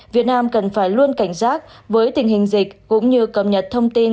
việt nam cần phải luôn cảnh giác với tình hình dịch cũng như cập nhật thông tin